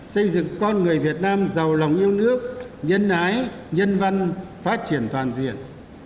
xây dựng con người việt nam giàu lòng yêu nước nhân ái nhân văn phát triển toàn diện